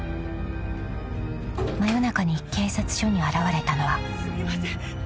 ［真夜中に警察署に現れたのは］